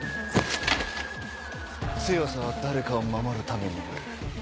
強さは誰かを守るためにある。